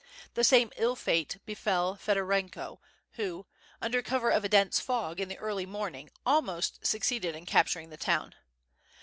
The same ill fate befell Fedeorenko, who, under cover of a dense fog, in the early morning, almost suc ceeded in capturing the town.